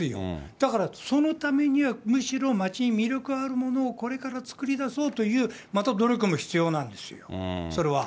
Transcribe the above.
だから、そのためにはむしろ、町に魅力があるものをこれから作り出そうという、また努力も必要なんですよ、それは。